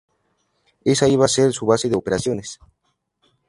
Esa iba a ser su base de operaciones.